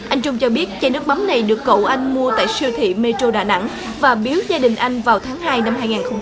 anh trung cho biết chai nước mắm này được cậu anh mua tại siêu thị metro đà nẵng và biếu gia đình anh vào tháng hai năm hai nghìn hai mươi